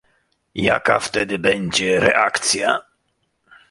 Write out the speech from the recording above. Jaka wtedy będzie reakcja?